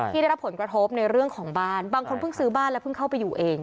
ได้รับผลกระทบในเรื่องของบ้านบางคนเพิ่งซื้อบ้านแล้วเพิ่งเข้าไปอยู่เอง